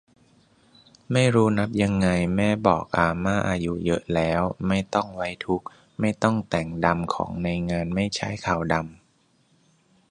ไม่รู้นับยังไง แม่บอกอาม่าอายุเยอะแล้ว ไม่ต้องไว้ทุกข์ ไม่ต้องแต่งดำของในงานไม่ใช้ขาวดำ